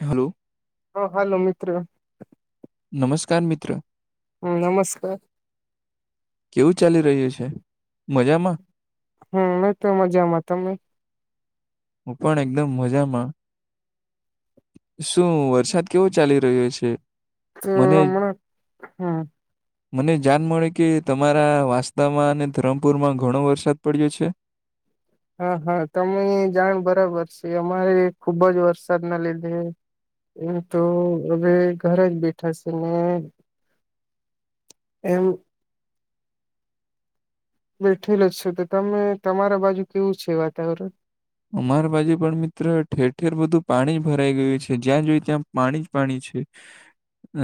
Hello હ હાલો મિત્ર નમસ્કાર મિત્ર હમ નમસ્કાર કેવું ચાલી રહ્યું છે મજામાં હમ અમે તો એ મજામાં તમે. હું પણ એકદમ મજામાં શું વરસાદ કેવો ચાલી રહ્યો છે. તો મને હમણાં હમ [unintelligible] મને જાણ મળે કે તમારા વાંસદમાં અને ધરમપુરમાં ઘણો વરસાદ પડ્યો છે. હા હા તમે જાણ બરાબર છે અમારે ખુબ જ વરસાદના લીધે હું તો હવે ઘરે જ બેઠા છે ને એમ. બેઠેલો છે તો તમે તમારા બાજુ કેવું છે વાતાવરણ અમાર બાજુ પણ મિત્ર ઠેર ઠેર બધું પાણી જ ભરાઈ ગયું છે જ્યાં જોઈ ત્યાં પાણી જ પાણી છે.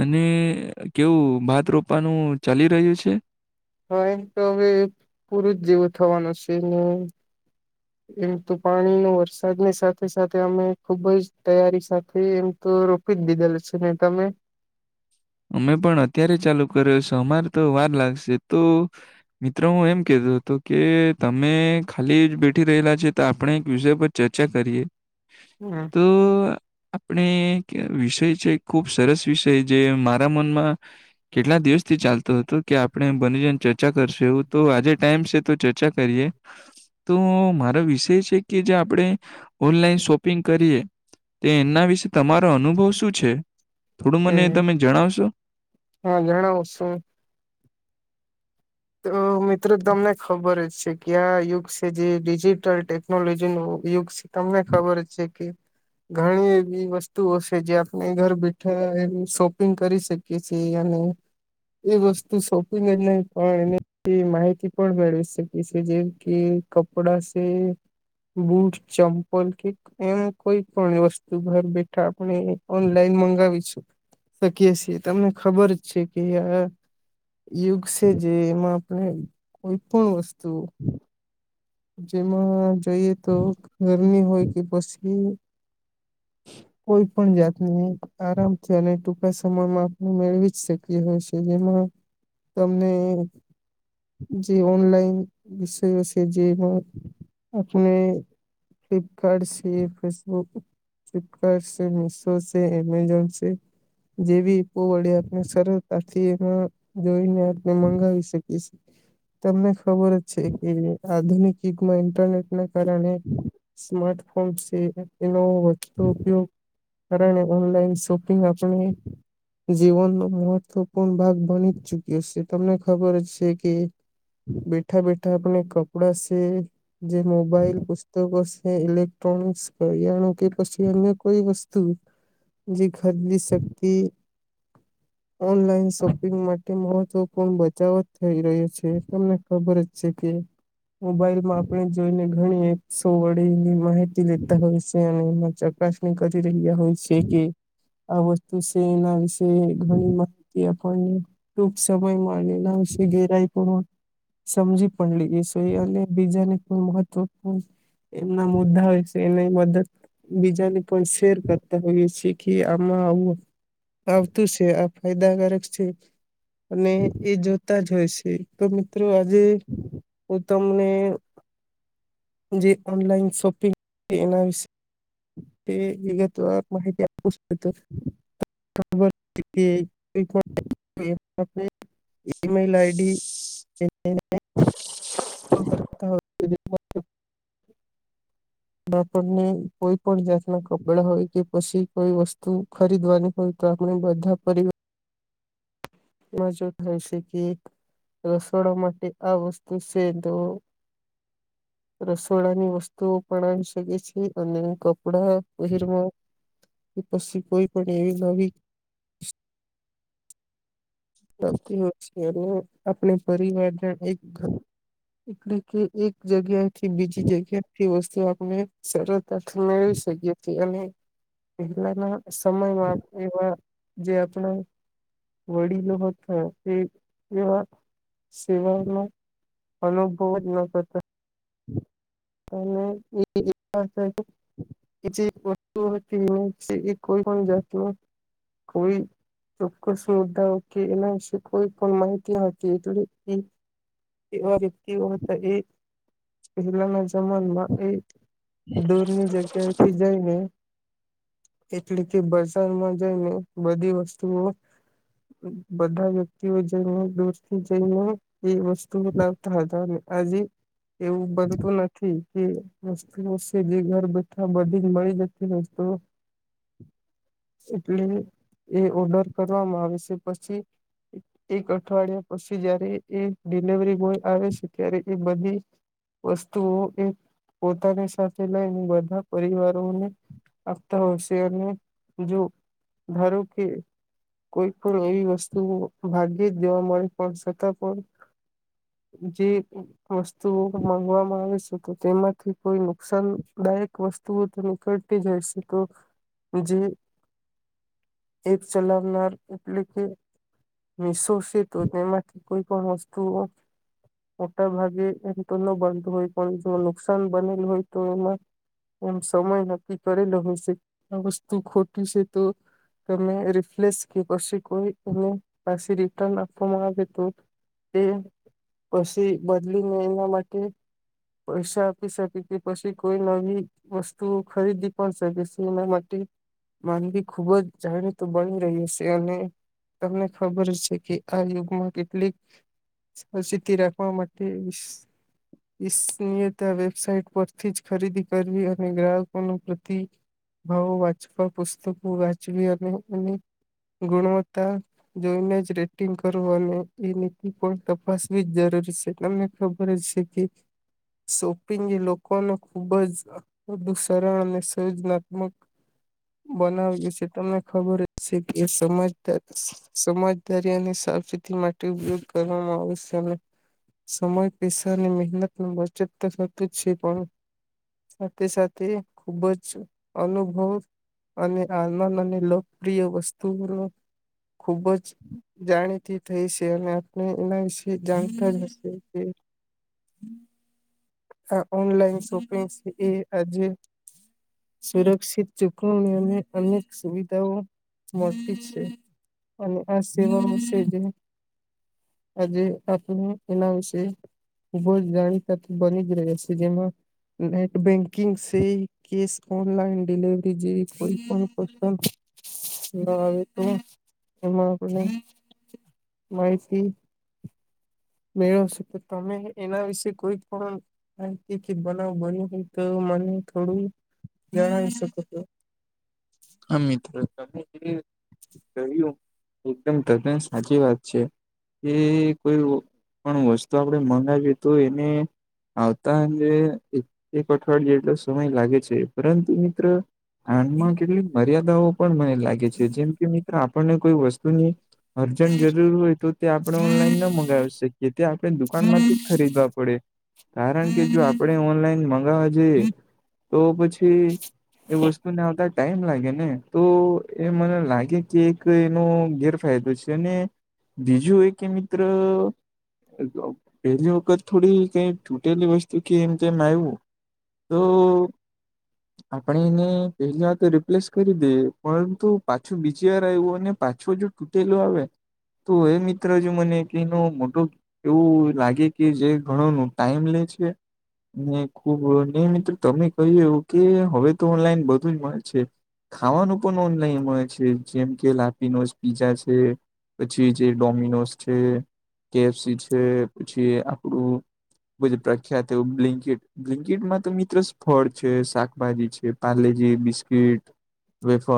અને કેવું ભાત રોપવાનું ચાલી રહ્યું છે. હા એમ તો હવે પુરું જ જેવું થવાનું છે ને. [unintelligible] એમ તો પાણીનો વરસાદની સાથે સાથે અમે ખુબ જ તૈયારી સાથે એમ તો પીંધી દેલ છે નહી તમે અમે પણ અત્યારે ચાલુ કર્યો છે અમારે તો વાર લાગશે તો મિત્રો હું એમ કતો હતો કે તમે ખાલી જ બેઠી રહેલા છે તો આપણે એક વિષય પર ચર્ચા કરીએ હમ તો આપણે કયાં વિષય છે ખુબ સરસ વિષય જે મારા મનમાં કેટલા દિવસથી ચાલતું હતો કે આપણે બની જને ચર્ચા કરશું એવું તો આજે ટાઈમ છે તો ચર્ચા કરીએ તો મારો વિષય છે કે જે આપણે ઓનલાઈન શોપ શોપિંગ કરીએ તે એમના વિશે તમારો અનુભવ શું છે થોડું મને હમ તમે જણાવશો હા જણાવશું. તો મિત્ર તમને ખબર હશે. કયા યુગ છે જે ડિજિટલ ટેકનોલોજી નો યુગ છે. તમને ખબર છે કે ઘણી એવી વસ્તુઓ છે જે આપણે ઘર બેઠા એમ શોપિંગ કરી શકીએ છીએ અને એ વસ્તુ શોપિંગ એટલે પણ એની માહિતી પણ મેળવી શકી છે જેમ કે કપડા છે. બુટ ચમ્પલ કે એમ કોઈ પણ વસ્તુ ઘર બેઠા આપણે ઓનલાઈન મંગાવીશું શકી છીએ તમને ખબર છે કે અ યુગ કે જે એમ આપણે કોઈ પણ વસ્તુ જેમાં જોઈએ તો ઘરની હોય કે પછી [inaudible] કોઈ પણ જાતની આરામથી અને ટૂંકા સમયમાં આપણે મેળવી જ શકીએ હોય છે જેમાં તમને જે ઓનલાઈન વિષય કે જે હો આપને ફ્લિપકાર્ટ સે ફેસબુક કાર્ડ સે, મિશો સે, એમેઝોન સે જેવી પોવાડિયાતને સરળતાથી એમાં જોઈ લે. મંગાવી શકીએ સે. તમને ખબર જ છે કે આધુનિક યુગમાં ઇન્ટરનેટ ના કારણે સ્માર્ટફોન છે. ઇ એનો તો ઉપયોગ કરે ને ઓનલાઈન શોપિંગ આપણને જીવનનો મહત્વપૂર્ણ ભાગ બની ચુક્યો છે. તમને ખબર છે કે બેઠા બેઠા આપણને કપડાં છે જે મોબાઈલ, પુસ્તકો છે, ઇલેક્ટ્રોનિક્સ, કરિયાણુ કે પછી અન્ય કોઈ વસ્તુ જે ખરીદી શક્તિ ઓનલાઈન શોપિંગ માટે મહત્વપૂર્ણ બચાવ થઈ રહ્યો છે. તમને ખબર જ છે કે મોબાઈલમાં આપણે જોઈને ઘણી એક [unintelligible] માહિતી લેતા હોય છે. અને એમાં પ્રશ્ન કરી રહ્યા હોય છે કે આ વસ્તુ છે એના વિશે તે ઘણી માહિતી આપણને ટૂંક સમયમાં [unintelligible] સમજી પણ લઈએ છે અને બીજાને પણ મહત્વપૂર્ણ એમના મુદ્દા હોય છે એની મદદ બીજાને પણ શેર કરતા હોઈએ છે કે આમાં આવું આવતું છે. ફાયદાકારક છે. અને એ જોતા જ હોય છે. તો મિત્રો જે ઓ તમને જે ઓનલાઈન શોપિંગ એના વિશે [inaudible] એ વિગતવાર માહિતી આપ [inaudible] ઇમેલ આઈડી [inaudible] આપને કોઈ પણ જાતના કપડા હોય કે પછી કોઈ વસ્તુ ખરીદવાની હોય તો આપણે બધા પર મજો થાય છે કે રસોડા માટે આ વસ્તુ છે તો રસોડા ની વસ્તુઓ પણ આવી શકે છે. અને કપ કપડા પહેરવા કે પછી કોઈ પણ એવી નવી ટકી હોય છે. અને આપણે પરિવારના એક એટલે કે એક જગ્યાથી બીજી જગ્યાથી વસ્તુ આપણે સરળતાથી મેળવી શકીએ છીએ અને પહેલાના સમયમાં એવા જે આપણેા વડીલ વડીલો હતા. એ એવા સેવાઓનો અનુભવ જ ન હતા. [inaudible] અને [inaudible] એ જે વસ્તુ હોય છે એ ને વિશે એ કોઈ પણ જાતનું કોઈ ચોક્કસ મુદ્દાઓ કે એના વિશે કોઈ પણ માહિતી આવતી હોય તો એ એવા વ્યક્તિઓ હતા, એ પહેલાના જમા જમાના માં એ દૂરની જગ્યાથી જઈને એટલે કે બજારમાં જઈને બધી વસ્તુઓ બધા વ્યક્તિઓ જઈ હો દોસ્તથી જઈ હો એ વસ્તુ લાવતા હતા, આજે એવું બનતું નથી. [unintelligible] ઘર બેઠા [unintelligible] એટલે એ ઓર્ડર કરવામાં આવે છે પછી એક અઠવાડિયા પછી જયારે એ ડીલવરી બોય આવે છે. ત્યારે એ બધી વસ્તુ તો એ પોતાની સાથે લઈને બધા પરિવારોને આખા હોસિયાર ને જો ધારું કોઈ પણ એવી વસ્તુ ભાગ્ય જ જોવા મળે પણ છતાં પણ જે વસ્તુઓ માગવા આવે છે તો તેમાંથી કોઈ નુકસાનદાયક વસ્તુઓ તો નીકળતી જાય છે તો જે એક ચલાવનાર એટલે કે મ શોષ તો તે એમાંથી કોઈ પણ વસ્તુઓ મોટા ભાગે એ તો ન બન હોય પણ જો નુકસાન બનેલું હોય તો એમાં એમ સમય નક્કી હ છે આ વસ્તુ છે તો તમે રિફ્લેસ કે પી કોઈ એને પાછી રિટર્ન આપવામાં આવે તો એ પછી બદલીને એના માટે પૈસા આપી શકી કે પછી કોઈ નવી વસ્તુ ખરીદી પણ શકે છેું એના માટે માંનગી ખૂબ જ જાણી તો બની રહી હ છે અને તમને ખબર છે કે આ યુગમાં કેટલીક સિદ્ધિ રાખવા માટે હ [inaudible] નીયતા વેબસાઇટ પરથી જ ખરીદી કરવી અને ગ્રાહકો પ્રતિ ભાવો વાંચવા પુસ્તકો વાચવી અને અને ગુણવતા જોઈને જ રેટિંગ કરવ અને એ નીતિ પણ તપાસવી જ જરૂરી છે ત [inaudible] સોપિંગ એ લોકોને ખુબ જ વધુ સરળ અને સર્જનાત્મક બનાવ્યું છે તમને ખબર એજ સમજદારી અને સાવચેતી માટે ઉપ કરવામાં આવશે અને સમય પૈસાની મહેનત બચત તો થતું જ છે પણ સાથે સાથે ખુબ જ અનુભવ અને આનંદ અને લોકપ્રિય વસ્તુઓનો ખૂબ જ જાણીતી થઈ છે અને આપણે એના વિશે જાણતા જ હશે કે હમ [inaudible] આ ઓનલાઈન શોપિંગ એ આજે સુરક્ષિત ચૂકવણી અને અનેક સુવિધાઓ મળતી છે અને આ સેવાનું છે જે આજે આપનું એના વિશે જાણ બની જ રહ્યા છે જેમાં નેટ બેન્કિંગ છે કે ઓનલાઈન ડિલવરી જેવી કોઈ પણ પસલ ના તો એમાં આપને માહિતી તો તમે વિશે કોઈ પણ માી કે બનાવ બન્યો હોય તો મને થોડું જણાવી શકો હતો હા મિત્રો તમે જે કહ્યું એકદમ તદ્દન સાચી વાત છે એ કોઈ પણ વસ્તુ આપણેે મંગાવી તો એને આવતાજે એક એક અઠવાડયે જેટલો સમય લાગે છે પરંતુ મિત્ર આનમાં કેટલીક મર્યાદાઓ પણ મને લાગે છે જેમ કે મિત્ર આપણને કોઈ વસ્તુની અર્જન્ટ જરૂર હોય તો તે આપણે ઓનલાઈન ના મગાવી શકીએ એ તે આપણે દુકાનમાંથી જ ખરીદવા પડે કારણ કે જો આપણે ઓનલાઈન મંગાવવા જોઈએ તો પછી એ વસ્તુને આવતા ટાઈમ લાગે ને તો એ મને લાગે કે એક એનો ગેરફાયદો છે બીજું એ કે મિત્ર પેલી વખત થોડી કઈ તૂટેલી વસ્તુ કે એમ તેમમ આવ્યું તો આપણે એને પેલી વાર રિપ્લેસ કરી દે પરંતુ બીજી આવ્યું અને પાછું જો તૂટેલું આવે તો એ મિત્ર જો મને કનો મોટો એવું લાગે કે જે ઘણો ન ટાઈમ લે છે ને ખુબ ને મિત્રો તમે કહ્યું એવું કે હવે તો ઓનલાઈન બધું જ મળે છે ખાવાનું પણ ઓનલાઈન હોય છે જેમ કે લાપીનો પીઝા છે પછી જે ડોમિનોસ છે કેફસી છે પછી આપણું બજ પ્રખ્યાત બ્લિંકડ બ્લન્કેટમાં તો મિત્ર ફળ છે શાકભાજી છે પાલેજી બિસ્કીિટ વેફ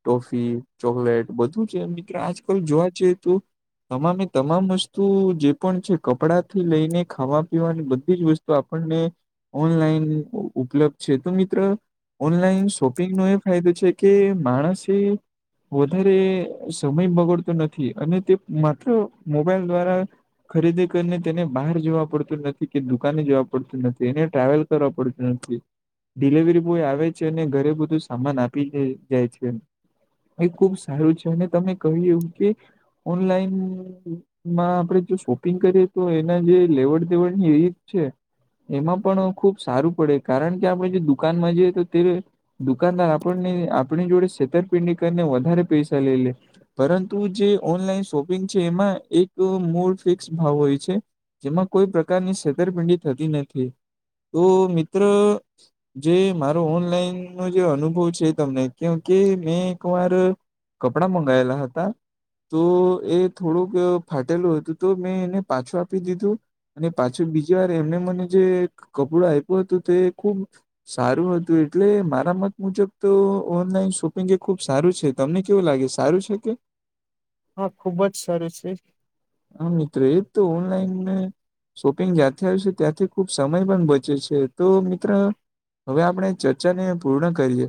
ટોફી ચોકલેટ બધું છે મિત્ર આજકાલ જોવા જએ તો તમામે એ તમામસ્ સ્તુ જે પણ છે કપડા થી લઈને ખાવા પીવાની બધી જ વસ્તુ આપણને ઓનલાઈન ઉપલબ્ધ છે તો મિત્ર ઓનલાઈન શોપિંગ ન એક કું છે કે માણસે વધારે સમય બગડતો નથી અને તે માત્ર મોબાઈલ દ્વારા ખરીદી કરીને તેને બહાર જોવા પડતું નથી કે દુકાને જવા પડતું નથી એને ટ્રાવેલ ઓપોર્ચનિટી ડિલિવરી બોય આવે છે અને ઘરે બધું સામાન આપી જાય છે એ ખુબ સારું છે અને તમે કહ્યું એવું કે ઓનલાઈન માં આપડે જો તો એના જે લેવડ દેવડની રપ છે એમાં પણ ખુબ સારું કારણ કે આપડણે દુકાનમાં જઈએ તો તે દુકાનદાર આપણને આપણી જોડે છેતરપિંડી કરીને વધારે પૈસા લઈ લે પરંતુ જે ઓનલાઈન શોપિંગ છે એમાં એક મૂળ ફિક્સ ભાવ હોય છે પ્રકારની છેતરપિંડી થતી નથી તો મિત્ર જે માર ઓનલાઈન ન જે અનુભવ છે તમને કે કે મેં એક વાર કપડા મંગાયેલા હતા તો એ થોડુંક ફાટેલું હતું તો મેં એને પાછું આપી દીધું અને પાછું બીજી વાર એમને મને જે કપડું આપ્યું હતું તે ખુબ સારું હતું એટલે મારે અમત મુજબ તો શોપિંગ ખુબ સારું છે તમને કેવું લાગે સારું છે કે હા ખુબ જ સારું છે હ મિત્રો એ તો ઓનલાઈનને શોપિંગ જ્યાંથી આવ છે ત્યાંથી ખુબ સમય પણ બચે છે તો મિત્ર હવે આપણે ચર્ચા ને પૂર્ણ કરીએ